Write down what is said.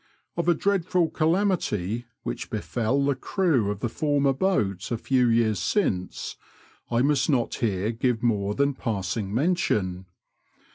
Of a dreadful calamity which befel the crew of the former boat a few years since, I must not here give more than passing mention.